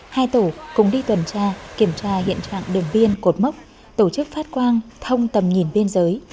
hai tổ cùng đi tuần tra kiểm tra hiện trạng đường biên cột mốc tổ chức phát quang thông tầm nhìn biên giới